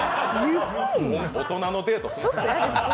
大人のデート。